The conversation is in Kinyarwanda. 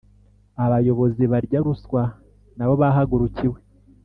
abayobozi barya ruswa nabo bahagurukiwe